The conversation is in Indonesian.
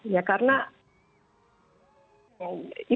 ya karena itu semua yang terjadi